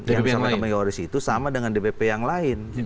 yang sama bang yoris itu sama dengan dpp yang lain